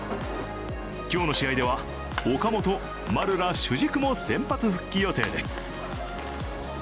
今日の試合では岡本、丸ら主軸も先発復帰予定です。